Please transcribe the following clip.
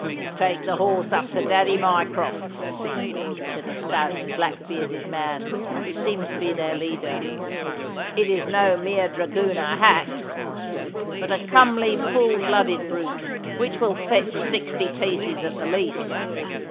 'Take the horse up to Daddy Mycroft's,' said a stout, black bearded man, who seemed to be their leader. 'It is no mere dragooner hack,(Note I. Appendix) but a comely, full blooded brute, which will fetch sixty pieces at the least.